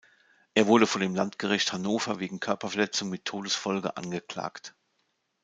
Er wurde vor dem Landgericht Hannover wegen Körperverletzung mit Todesfolge angeklagt.